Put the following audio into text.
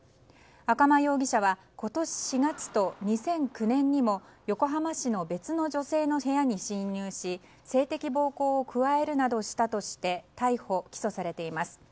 赤間容疑者は今年４月と２００９年にも横浜市の別の女性の部屋に侵入し性的暴行を加えるなどしたとして逮捕・起訴されています。